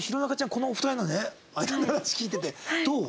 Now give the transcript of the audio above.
このお二人の間で話聞いててどう？